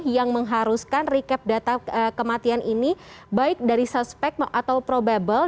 yang mengharuskan recap data kematian ini baik dari suspek atau probable